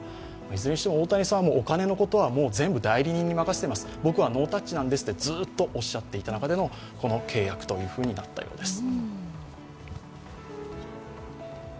いずれにしても大谷さんはお金のことは全部代理人に任せています、僕はノータッチなんですとずっとおっしゃっていた中でのこの契約となったようです。